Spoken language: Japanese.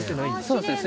そうですね。